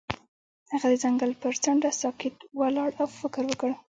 هغه د ځنګل پر څنډه ساکت ولاړ او فکر وکړ.